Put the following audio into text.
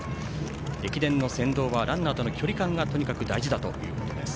駅伝の先導はランナーとの距離感がとにかく大事だということです。